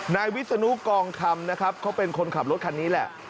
นายวิศนุกองคำนะครับเขาเป็นคนขับรถคันนี้แหละ